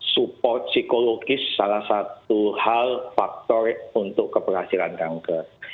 support psikologis salah satu hal faktor untuk keberhasilan kanker